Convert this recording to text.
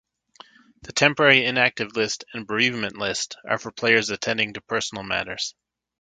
The temporary inactive list and bereavement list are for players attending to personal matters.